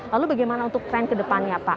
lalu bagaimana untuk tren ke depannya pak